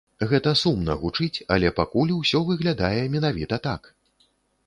Гэта сумна гучыць, але пакуль усё выглядае менавіта так.